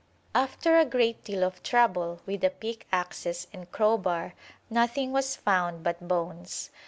After a great deal of trouble with the pickaxes and crowbar nothing was found but bones.